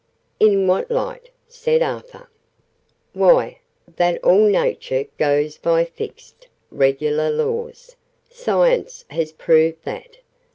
"In what light?" said Arthur. "Why, that all Nature goes by fixed, regular laws Science has proved that.